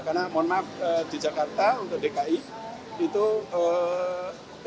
karena monaf di jakarta untuk dki itu petikanya satu kursi